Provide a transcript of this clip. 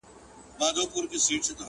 لا لکه غر پر لمن کاڼي لري!